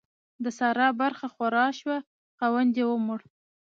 د سارا برخه خواره شوه؛ خاوند يې ومړ.